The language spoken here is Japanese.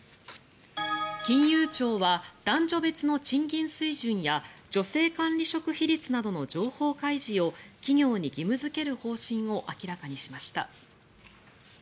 金融庁は、男女別の賃金水準や女性管理職比率などの情報開示を企業に義務付ける方針を明らかにしました。